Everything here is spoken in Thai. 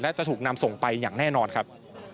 และจะถูกนำส่งไปอย่างแน่นอนครับ